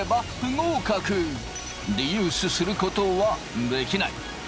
リユースすることはできない。